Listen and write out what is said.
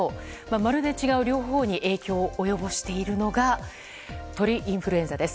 まるで違う両方に影響を及ぼしているのが鳥インフルエンザです。